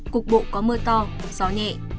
cục bộ có mưa to gió nhẹ